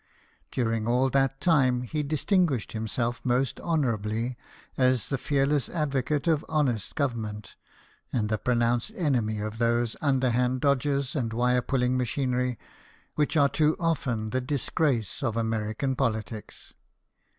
During all that JAMES GARFIELD, CANAL BOY. 159 time, he distinguished himself most honour ably as the fearless advocate of honest govern ment, and the pronounced enemy of those underhand dodges and wire pulling machinery which are too often the disgrace of American politics.